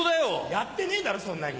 やってねえだろそんなに。